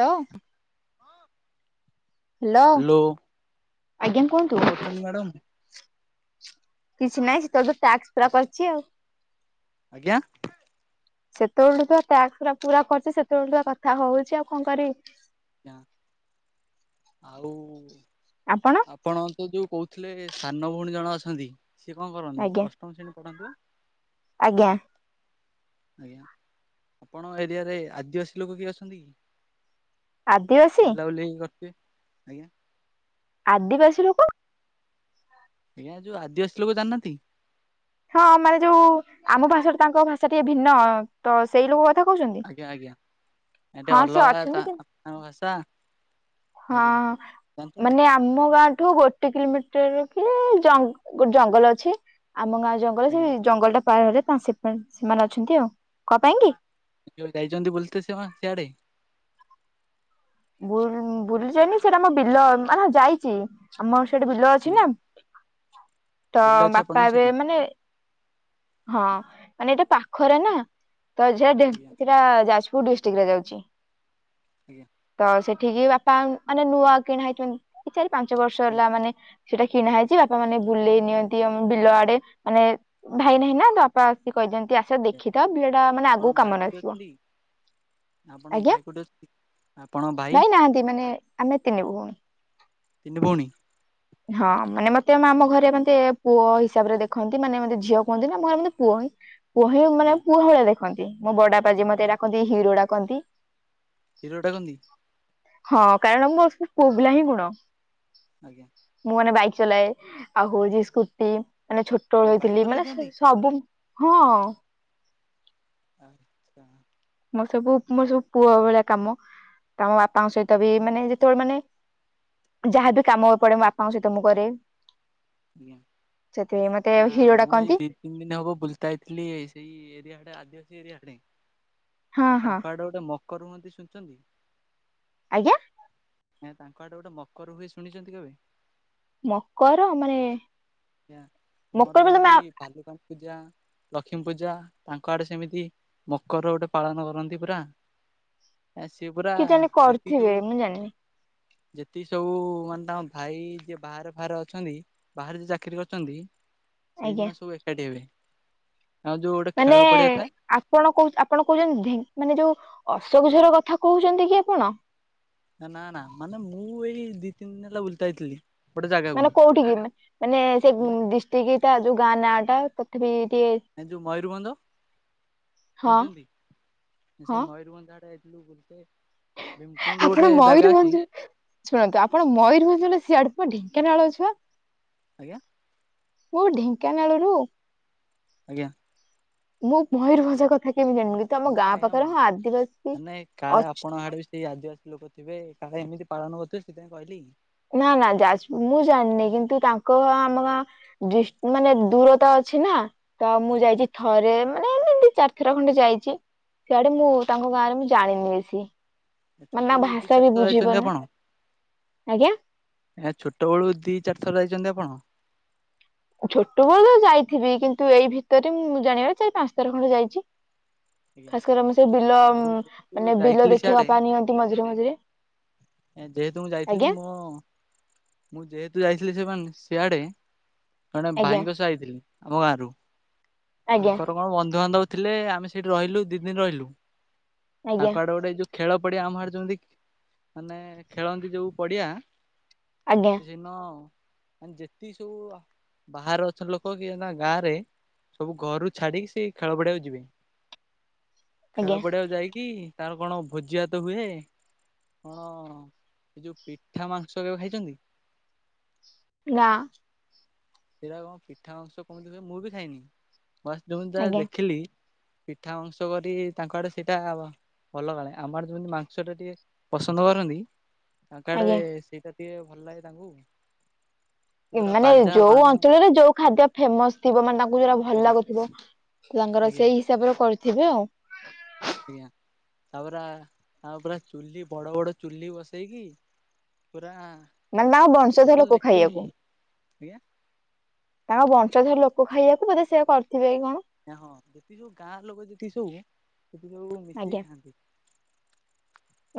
ଲୋଁ। Hello, ଆଜ୍ଞା କୁହନ୍ତୁ। କଣ କରୁଛନ୍ତି ମ୍ୟାଡ଼ାମ? କିଛି ନାହିଁ। ସେତେବେଳେ ତ ଟ୍ୟାକ୍ସ ପା କରିଛି ଆଉ। ଆଜ୍ଞା ସେତେବେଳୁ ଟାକ୍ସ ପୁର ପୁରା କରିୁଛି, ସେତେବେଳେୁ ଆ କଥା ହଉଛି ଆଉ କଣ କରିବି। ଆଜ୍ଞା, ଆଉ ଆପଣ ତ ଯୋଉ କହୁ ଥିଲେ, ସାନ ଭଉଣୀ ଜଣ ଅଛନ୍ତି! ସିଏ କଣ କରନ୍ତି? ଆଜ୍ଞା। ଅଷ୍ଟମ ଶ୍ରେଣୀ ପଢ଼ନ୍ତିି ବା। ଆଜ୍ଞା। ଆଜ୍ଞା, ଆପଣ ଏରିଆରେ ଆଦିବାସୀ ଲୋକ କିଏ ଅଛନ୍ତି କି? ଆଦିବାସୀ ବୁଲାବୁଲି କରିବେ। ଆଜ୍ଞା। ଆଦିବାସୀ ଲୋକ! ଆଜ୍ଞା, ଯୋଉ ଆଦିବାସୀ ଲୋକ ଜାଣିିନାହାଁନ୍ତି। ହଁ, ମାନେ ଯୋଉ, ଆମ ଭାଷାଠୁ ତାଙ୍କ ଭାଷା ଟିକେ ଭିନ୍ନ ତ ସେଇ ଲୋକ କଥା କହୁଛନ୍ତି? ଆଜ୍ଞା ଆଜ୍ଞା, ଏଠି ହଁ ସେ ଅଲଗା ଅଛନ୍ତି ତା କି ତାଙ୍କ ଭାଷା। ହଁ, ଆଜ୍ଞା ଜାଣିଛନ୍ତି ମାନେ ଆମ ଗାଁ ଠୁ ଗୋଟେ କିଲୋମିଟର କି ଜଙ୍ଗ ଜଙ୍ଗଲ ଅଛି। ଆମ ଗାଁ ଜଙ୍ଗଲ ସେ ଆଜ୍ଞା। ଜଙ୍ଗଲ ଟା ପାର ହେଲେ, ସେ ସେମାନେ ଅଛନ୍ତି ଆଉ। କ ପାଇଁ କି? ଯଉ ଯାଇଛନ୍ତି ବୁଲିତ ତ, ସେମା ସିଆଡେ। ବୁଲ୍ ବୁଲି ଯାଇନି, ସେଇଟା ଆମ ବିଲ ମାନେ ଯାଇଛି, ଆମ ସେଠି ବିଲ ଅଛି ଆଜ୍ଞା ନା। ଟ ବିଲ ଅଛି ବାପା ଆପଣଙ୍କ ଏବେ ସେଠି ମାନେ। ହଁ, ମାନେ ଏଇଟା ପାଖରେ ନା! ତ ଯେ ଆଜ୍ଞା ସେଟା ଯାଜପୁର ଡିସ୍ ଟିକ୍ ରେ ଯାଉଛି ଆଜ୍ଞା ତ ସେଠ୍ କେହି ବାପା, ମାନେ ନୂଆ କିଣା ହେଇଛନ୍ତି, ଏଇ ଚାରିପାଞ୍ଚ ବର୍ଷ ଆଜ୍ଞା। ହେଲା, ମାନେ ସେଇଟା କିଣା ହେଇଛି, ବାପା ମାନେ ବୁଲେଇ ନିଅନ୍ତି ଆମ ବିଲ ଆଡେ। ମାନେ ଭାଇ ନାହିଁ ନା ତ, ବାପା ଆସିକି କହିଦିଅନ୍ତି, ଆସ ଆଜ୍ଞା ଦେଖିଥା ବିଲଟା ମାନେ ଆପଣ ଆଗକୁ ଭାଇ କାମରେ କୋଉଠି ଆସିବ। ଅଛନ୍ତି ଆପଣଙ୍କ ଭାଇ କଉଠି ଅଛନ୍ତି? ଆପଣଙ୍କ ଭାଇ ଭାଇଁ ନାହାଁନ୍ତି। ମାନେ, ଆମେ ତିନି ଭଉଣୀ। ତିନି ଭଉଣୀ। ହଁ, ମାନେ ମତେ ଆମ ଘରେ ମତେ ପୁଅ ହିସାବରେ ଦେଖନ୍ତି। ମାନେ ମତେ ଝିଅ କୁହନ୍ତିନି, ମୁଁ ଭାବନ୍ତି ପୁଅ ହିଁ। ପୁଅ ହିଁ, ମାନେ ଆଜ୍ଞା ପୁଅ ଭଳିଆ ଦେଖନ୍ତି। ମୋ ବଡବାପା ଯିଏ, ମତେ ଡାକନ୍ତି ହିରୋ ଡାକନ୍ତି। ହିରୋ ଡାକନ୍ତି। ହଁ, କାରଣ ମୋର ସବୁ ପୁଆପିଲା ହିଁ ଗୁଣ। ଆଜ୍ଞା। ମୁଁ ମାନେ ବାଇକ୍ ଚଲାଏ। ଆଉ ହଉଚି ସ୍କୁଟି, ମାନେ ଛୋଟବେଳୁ ବାଇକ୍ ହେଇଥିଲି ଚଲେଇ ମାନେ ଦିଅନ୍ତି ସବୁ ହଁ। ଆଚ୍ଛା। ମୋ ସବୁ ମୋ ସବୁ ପୁଅ ଭଳିଆ କାମ। ତମ ବାପାଙ୍କ ସହିତ ବି ମାନେ ଯେତେବେଳେ ମାନେ ଯାହାବି କାମ ପଡେ ମୋ ବାପାଙ୍କ ସହିତ ମୁଁ କରେ। ଆଜ୍ଞା। ସେଥିପାଇଁ ମତେ ନା ହିରୋ ମୁଁ ଏଇ ଡାକନ୍ତି ଦି ତିନି ଦିନ ହବ ବୁଲତା ଯାଇଥିଲି ସେଇ ଏରିଆଡେ। ରିଡେ [unintelligible] ହଁ ହଁ ତାଙ୍କ ଆଡେ ଗୋଟେ ମକର ରୁହନ୍ତି ଶୁଣିଛନ୍ତି? ଆଜ୍ଞା। ଏ ତାଙ୍କ ଆଡେ ଗୋଟେ ମକର ହୁଏ ଶୁଣିଛନ୍ତି କେବେ? ମକର ମାନେ? ଆଜ୍ଞା ମକର ଆମର ବୋଲି ଯେମିତି ତମେ ପା ପୂଜା ଲକ୍ଷ୍ମୀ ପୂଜା ତାଙ୍କ ଆଡେ ସେମିତି ମକର ଗୋଟେ ପାଳନ କରନ୍ତି ପୁରା ଆ ସିଏ ପୁରା କି ଜଣେ ଯେତିକି ସବୁ କରିଥିବେ ମୁଁ ଜାଣିନି। ଯେତିକି ସବୁ ମାନେ ତାଙ୍କ ଭାଇ ଯିଏ ବାହାରେ ଫାହାରେ ଅଛନ୍ତି, ବାହାରେ ଯ ଏକକିରି କରିଛନ୍ତି, ଆଜ୍ଞା ସେଇଦିନ ସବୁ ଏକାଠି ହେବେ। ଆଉ ଯୋଉ ଗୋଟେ ଖେଳ ମାନେ ପଡିଆ ଥାଏ ଆପଣ କ ଆପଣ କହୁଚନ୍ତି ଢେ ମାନେ ଓ ଅଶୋକଝୋର କଥା କହୁଛନ୍ତି କି ଆପଣ? ନା ନା ମାନେ ମୁଁ ଏଇ ଦି ତିନି ଦିନ ହେଲା ବୁଲୁଥିଲି। ମାନେ କୋଉଠିକ କି ମାନେ ସେ ଦିଷ୍ଟିକିଟ ଯୋଉ ଗାଁ ନାଁ ଟା ତଥାପି ଟିକେ ଏ ଯୋଉ ମୟୂରଭଞ୍ଜ। ହଁ ଶୁଣିଛନ୍ତି ହଁ ସେ ମୟୂରଭଞ୍ଜାଟା ଯାଇଥିଲୁ ବୁଲେ ଆପଣ ମୟୂରଭଞ୍ଜ ଶୁଣନ୍ତୁ ଆପଣ ମୟୂରଭଞ୍ଜୁର ସିଆଡେ କୁ ଢେଙ୍କାନାଳ ଛୁଆ। ଆଜ୍ଞା। ମୁଁ ଢେଙ୍କାନାଳରୁ। ଆଜ୍ଞା। ମୁଁ ମୟୂରଭଞ୍ଜ କଥା କେମିତି ଜାଣିବି କିନ୍ତୁ ଆମ ନା ଗାଁ ଆଜ୍ଞା ପାଖରେ ହଁ ଆଦିବାସୀ ମାନେ କାଳେ ଅଛ ଆପଣଙ୍କ ଆଡେ ବି ସେଇ ଆଦିବାସୀ ଲୋକ ଥିବେ। କାଳେ ଏମିତି ପାଳନ କରଥିବ ସେଥିପାଇ କହିଲି। ନା ନା ଯା ମୁଁ ଜାଣିନି କିନ୍ତୁ ତାଙ୍କ ଆମର ମାନେ ଡିସ ଦୂରତା ଆ ଛେନା। ତ ମୁଁ ଆଜ୍ଞା ଯାଇଚି ଥରେ, ମାନେ ଏମତି ଦିଚାରିଥର ଖଣ୍ଡେ ଯାଇଚି, ସଆଡେ ମୁଁ ଆଜ୍ଞା ତାଙ୍କ ଗାଁରେ ମୁଁ ଜାଣିିନି ବେଶୀ। ମାନେ ତାଙ୍କ ଛୋଟବେଲୁ ଦି ଭାଷା ବି ଚାରିଥ ଯାଇଛନ୍ତି ବୁଝିପାରୁନି ଆପଣ? ଆଜ୍ଞା। ଏ ଛୋଟବେଳୁ ଦି ଚାରିଥର ଯାଇଛନ୍ତି ଆପଣ? ଛୋଟବେଳ ତ ଯାଇଥିବି, କିନ୍ତୁ ଏଇ ଭିତରେ ମୁଁ ଜାଣିବା ଚାର ପାଞ୍ଚ ତର ଖଣ୍ଡେ ଯାଇ ଆଜ୍ଞା ଖାସକ ଆମ ସେ ବିଲ ମୁଁ ଯେହେତୁ ମାନେ ବିଲ ଯାଇଥିଲି ଦେଖେଇବା ପାଇଁ ନିଅନ୍ତି ମଝିରେ ମଝିରେ। ଏ ଯେହେତୁ ମୁଁ ଯାଇଥିଲି ଆଜ୍ଞା ମୁଁ, ମୁଁ ଯେହେତୁ ଯାଇି ସେମାନେ ସିଆଡେ ଜଣେ ଆଜ୍ଞା। ଭାଇଙ୍କ ସହ ଯାଇଥିଲେ ଆମ ଗାଁରୁ। ଆଜ୍ଞା ତାଙ୍କର କଣ ବନ୍ଧୁବାନ୍ଧବ ଥିଲେ ଆମେ ସେଇଠି ରହିଲୁ ଦି ଦିନ ରହିଲୁ। ଆଜ୍ଞା ତାଙ୍କ ଆଡେ ଯୋଉ ଖେଳ ପଡିଆ ଆମଡ ଯେମିତି ମାନେ ଖେଳନ୍ତି ଯୋଉ ପଡିଆ ଆଜ୍ଞା କିଛିିନ ଯେତିକି ସବୁ ବାହାରେ ଅଛନ୍ତି ଲୋକ କି ନା ଗାଁ ରେ ସବୁ ଘରୁ ଛାଡିକି ସେ ଖେଳ ପଡିଆକୁ ଯିବେ। ଖେଳ ଆଜ୍ଞା ପଡିଆକୁ ଯାଇକି ତାର କଣ ଭୋଜିଆ ତ ହୁଏ। କଣ ଏ ଯୋଉ ପିଠା ମାଂସ କେବେ ଖାଇଛନ୍ତି? ନା। ସେଟା କଣ ପିଠା ମାଂସ କେମିତି ହୁଏ, ମୁଁ ବି ଖାଇନି, ବ ଯେମିତି ତା ଆଜ୍ଞା ଦେଖିଲି। ପିଠା ମାଂସ କରି ତାଙ୍କ ଆଡେ ସେଇଟା ଆ ଭଲ କାଳେ ଆମର ଯେମିତି ମାଂସ ଟା ଟିକେ ପସନ୍ଦ କରନ୍ତି। ତାଙ୍କ ଆଡେ ଆଜ୍ଞା। ସେଇଟା ଟିକେ ଭଲ ଲାଗେ ତାଙ୍କୁ, ସେ ପରା ମାନେ ବାଜା ଯୋଉ ବାଣ ଅଞ୍ଚଳରେ ଯୋଉ ଖାଦ୍ୟ ଫେମସ ଥିବ ମାନେ ତାଙ୍କୁ ଯୋଟା ଭଲ ଆଜ୍ଞା ଲାଗୁଥିବ। ତାଙ୍କର ଆଜ୍ଞା ସେଇ ହିସାବରେ କରିଥିବେ ଆଉ। ଆଜ୍ଞା, ତାପରେ ତାପରେ ଚୁଲି ବଡ ବଡ ଚୁଲି ବସେଇକି ପୁରା। ମାନେ ତାଙ୍କ ବଂଶଧର ଯେତେବେଳେ ଲୋକ ଦେଖିବେ ଖାଇବାକୁ ମୁଁ ତାଙ୍କ ବଂ ର ଲୋକ ଖାଇବାକୁ ବୋଧେ ସେ କରି ହଁ ଯେତିି ସବୁ ଗାଁ ଲୋକ ଯେତିକି ସବୁ ସେଥି ଯୋଉ ମିଶିକି ଆଜ୍ଞା ଖାଆନ୍ତି।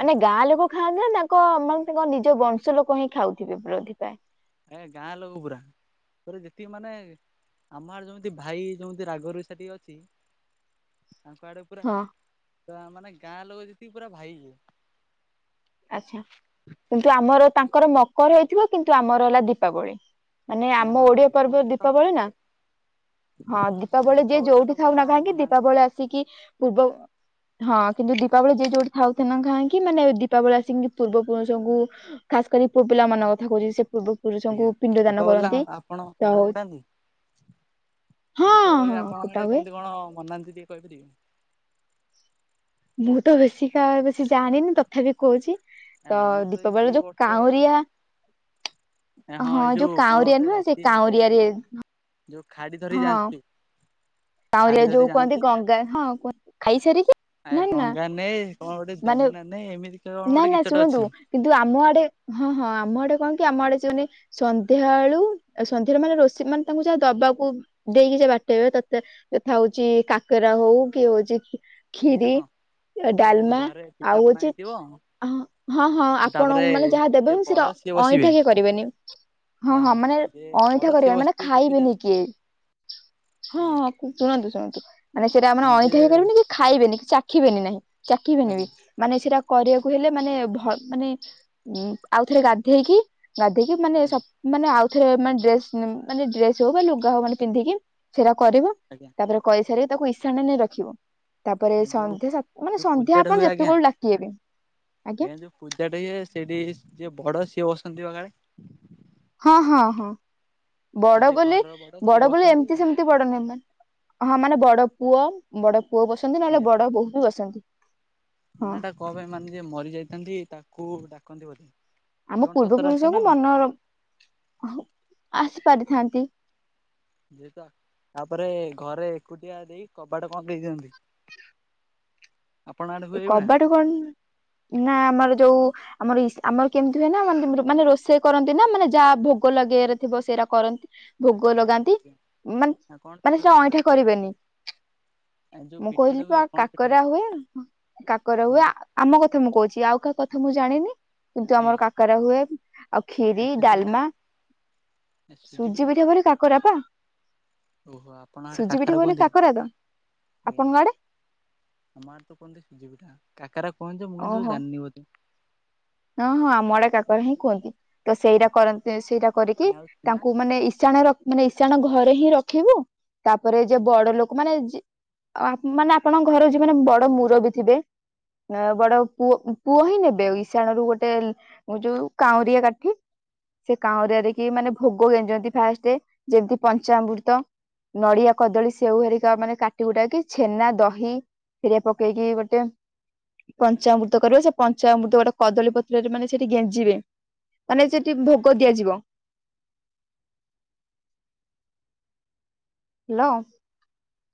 ମାନେ ଗାଁ ଲୋକ ଖାଆନ୍ତି ନା ତାଙ୍କ ମାନେ ତାଙ୍କ ନିଜ ବଂଶ ଲୋକ ହିଁ ଖାଉଥିବେ ବିରୋଧି ପାଇଁ। ଏ ଗାଁ ଲୋକ ପୁରା ତୋର ଯେଟିକି ମାନେ ଆମର ଯେମିତି ଭାଇ ଯେମିତି ରାଗରୁସା ଟିକେ ଅଛି। ତାଙ୍କ ଆଡେ ପୁରା ହଁ ଆ ମାନେ ଗାଁ ଲୋକ ଯେତିକି ପୁରା ଭାଇ। ଆଛା କିନ୍ତୁ ଆମର ତାଙ୍କର ମକର ହେଇଥିବ କିନ୍ତୁ ଆମର ହେଲା ଦୀପାବଳି। ମାନେ ଇଏ ଆମ ହଁ ଓଡିଆ ପର୍ବ ଟା ତ ଦୀପାବଳି ନା। ହଁ ଦୀପାବଳି ଯିଏ ଟା ଯୋଉଠି ତ ଥାଉ ଭଲ ନା କାହିଁକି ମନାନ୍ତି ଦୀପାବଳି ଆସିକି ପୂର୍ବ ହଁ କିନ୍ତୁ ଦୀପାବଳି ଯିଏ ଯୋଉଠି ଥାଉ ନା କାହିଁକି ମାନେ ଦୀ ଦୀପାବଳୀ ଆସିଙ୍କି ପୂର୍ବ ପୁରୁଷଙ୍କୁ ଖାସ କରି ପୁଅ ପିଲା ମାନଙ୍କ କଥା କହୁଛି ସେ ପୂର୍ବ ଆଜ୍ଞା ପୁରୁଷଙ୍କୁ ପିଣ୍ଡ ଦାନ ଦୀପାବଳିରେ କରନ୍ତି ଆପଣ ଯ ବାଣ ଫୁଟାନ୍ତି? ଦୀପାବଳି ଆପଣ ଆଡେ କେମତି କଣ ମନାନ୍ତି ଟିକେ କହି ପାରିବେ? ମୁଁ ତ ବେଶୀ କା ବେଶୀ ଜାଣିନି ତଥାପି କହୁଛି। ଆ ତ ମୁଁ ଏଇ ଦି ଦୀପାବଳି ଯୋଉ ବର୍ଷ କାଉଁରିଆ। ହଁ ଏଇ ଯୋଉ କଣ କାଉାଉଁରିଆ ଗୋଟେ ନୁହଁ ସେ ରାତି ହେଲେ କାଉଁରିଆରେ। ଯୋଉ ଖାଡି ଧରିିକି ହଁ ଯାଆନ୍ତି। କାଉଁରିଆ ଖାଡି ଯୋଉ ଧରି କୁହନ୍ତି ଯାଆନ୍ତି। ଗଙ୍ଗା ହଁ କୁହନ୍ତି ଖାଇସାରିକି। ଆ ନା ନା ଗଙ୍ଗା ନେଏ କଣ ଗୋଟେ ମାନେ ଯମୁନା ନେଏ ଏମିତିକା କଣ ନା ଗୋଟେ ନା ଗୀତ ଟେ ଶୁଣନ୍ତୁ ଅଛି। କିନ୍ତୁ ଆମ ଆଡେ ହଁ ହଁ ଆମ ଆଡେ କଣ ଆମ ଆଡେ ସେମାନେ ସନ୍ଧ୍ୟାବେଳୁ ସନ୍ଧ୍ୟାରେ ମାନେ ରୋଷେଇ ମାନେ ତାଙ୍କୁ ଯାହା ଦବାକୁ ଦେଇକି ସେ ବା ପାଟେଇବେ ତତେ ଯଥା ହଉଛି କାକରା ହଉ କି ହଉଛି ଆଜ୍ଞା ଖିରି। ହଁ। ସବୁ ଡାଲମା ଘରେ ଆଉ ପିଠାପଣା ହଉଛି ହେଇଥିବ। ହଁ ହଁ ଆପଣ ତାପରେ ମାନେ ଯାହା ଦେବେ ଯିଏ ମୁଁ ବଡ ସେଇଟା ସିଏ ବସିବେ ଅଇଁଠା କିଏ କରିବେନି। ହଁ ହଁ ମାନେ ଯିଏ ବଡ ଅଇଁଠା ସିଏ କରିବନି ମାନେ ବସିଥିବେ ସେ ଖାଇବେନି ପୂଜାରେ କିଏ। ହଁ ହଁ ଶୁଣନ୍ତୁ ଶୁଣନ୍ତୁ ମାନେ ସେଇଟା ଆମେ ଆଜ୍ଞା ଅଇଁଠା ଯିଏ ହେଇପାରିବନି କି ଖାଇବେନି କି ଚାଖିବେନି ନାହିଁ। ଚାକିବିନି ବି ଆଜ୍ଞା ମାନେ ସେଇଟା କରିବାକୁ ହେଲେ ମାନେ ଭ ମାନେ ଆଉଥରେ ଗାଧେଇକି ଗାଧେଇିକି ମାନେ ସ ଆଜ୍ଞା ମାନେ ଆଉ ଥରେ ମାନେ ଡ୍ରେସ୍ ମାନେ ଡ୍ରେସ ହଉ ବା ଲୁଗା ହଉ ମାନେ ପିନ୍ଧିକି ସେଟା କରିବ ଆଜ୍ଞା ତାପରେ କରିସାରିବେ ତାକୁ ଇସାଣରେ ନେଇକି ରଖିବ। ତାପରେ ଯୋଉ ସନ୍ଧ୍ୟା ସା ମାନେ ଯୋଉ ସନ୍ଧ୍ୟା ପୂଜାଟା ହୁଏ ଆପଣ ଆଜ୍ଞା ଯେତେବେଳୁ ଡାକିିବେ କି? ଆଜ୍ଞା ଯୋଉ ପୂଜା ଟା ଏ ସେଠି ଯିଏ ବଡ ସିଏ ବସନ୍ତି ପା କାଳେ? ହଁ ହଁ ହଁ ବଡ ଯେ ବୋଲି ଘରର ସିଏ ବଡ ବୋଲି ବସନ୍ତି ଏମିତି ସେମିତି ବଡ ନୁହଁ ମା ହଁ ମାନେ ବଡ ପୁଅ ବଡ ପୁଅ ବସନ୍ତି ନହେଲେ ବଡ ବୋହୂ ବି ବସନ୍ତି। ହଁ। ମାନଟା କଣ ପାଇଁ ମାନେ ଯିଏ ମରି ଯାଇଥାନ୍ତି ତାକୁ ଡାକନ୍ତି ବୋଧେ। ସେ ଆମ କଣ ପୂର୍ବ ସତରେ ଆସେ ନା ପୁରୁଷଙ୍କୁ କଣ ମନ ହଂ ଆସିପାରେ। ଥାନ୍ତି। ଯେତ ତାପରେ ଘରେ ଏକୁଟିଆ ଦେଇ କବାଟ କଣ ଦେଇ ଦିଅନ୍ତି। ଆପଣ ଆଡେ ହୁଏ ଏଇଭଳିଆ? କବାଟ କଣ ନା ଆମର ଯୋଉ। ଆମର ଇ ଆମର କେମିତି ହୁଏ ନା ମାନେ ରୋଷେଇ କରନ୍ତି ନା ମାନେ ଯାହା ଭୋଗ ଲଗେଇବାରେ ଥିବ ସେଇରା କର ଭୋଗ ଲଗାନ୍ତି ମାନେ ନା କଣ ମାନେ ସେଟା ପିଠାପଣା ହୁଏ ଅଇଁଠା ଆପଣ ଆଡେ? କରିବେନି। ଯୋଉ ମୁଁ କହିଲି ପିଠାଟା ହୁଏ ପା କଣ ପିଠା କାକରା ହୁଏ। କାକରା ହୁଏ ଆମ କଥା ମୁଁ କହୁଛି ଆଉ କାହା କଥା ମୁଁ ଜାଣିନି। କିନ୍ତୁ ଆଜ୍ଞା ଆମର କାକରା ହୁଏ ଆଉ କ୍ଷୀରି ସୁଜି ପିଠା ଡାଲମା। ସୁଜି ପିଠା ପରେ କାକରାପ। ଓହୋ ଆପଣ ଆଡେ ସୁଜି କାକରା ପିଠା ବୋଲି କୁହନ୍ତି କି? କାକରା ତ ଆପଣଙ୍କ ଆଡେ? ଆମଆଡେ କୁହନ୍ତି କାକାରା କୁହନ୍ତି ମୁଁ କିନ୍ତୁ ଓହୋ। ଜାଣିନି ବୋଧେ। ହଁ ହଁ ଆମଆଡେ କାକର ହିଁ କୁହନ୍ତି। ତ ସେଇଟା କରନ୍ତି ସେଇଟା କରିକି ଆଉ ଛେନା ତାଙ୍କୁ ମାନେ ଇସାଣ ରଖ ମାନେ ଇଶାଣ ଘରେ ହିଁ ରଖିବୁ ତାପରେ ଯେ ବଡ ଲୋକ ମାନେ ଆ ମାନେ ଆପଣଙ୍କ ଘର ଯ ମାନେ ବଡ ମୁରବି ଥିବେ। ନା ବଡ ପୁଅ ପୁଅ ହିଁ ନେବେ ବିଛଣା ରୁ ଗୋଟେ ଯୋଉ କାଉଁରିଆ କାଠି ସେ କାଉଁରିରେକି ମାନେ ଭୋଗ ଗେଞ୍ଜନ୍ତି ଫାଷ୍ଟ ଯେମିତି ପଞ୍ଚାମୃତ ନଡିଆ କଦଳୀ ସେଉ ହେରିକା ମାନେ କାଟି କୁଟାକି ଛେନା ଦହି ହେରିଆ ପକେଇକି ଗୋଟେ ପଞ୍ଚାମୃତ କରିବ ସେ ପଞ୍ଚାମୃତ ଗୋଟେ କଦଳୀ ପତ୍ରରେ ମାନେ ସେଠି ଗେଞ୍ଜିବେ ମାନେ ସେଠି ଭୋଗ ଦିଆଯିବ। ହ୍ୟାଲୋ।